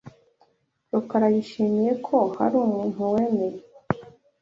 Rukara yishimiye ko hari umuntu wemeye